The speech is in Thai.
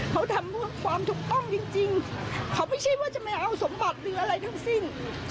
เขาทำเพื่อความถูกต้องจริงเขาไม่ใช่ว่าจะไม่เอาสมบัติหรืออะไรทั้งสิ้น